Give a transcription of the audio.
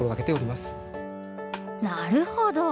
なるほど。